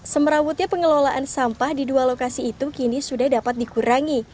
semerawutnya pengelolaan sampah di dua lokasi itu kini sudah dapat dikurangi